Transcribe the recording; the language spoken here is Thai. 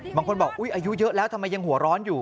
บางคนบอกอายุเยอะแล้วทำไมยังหัวร้อนอยู่